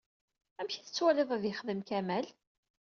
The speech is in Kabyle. Amek i tettwaliḍ ad yexdem Kamal?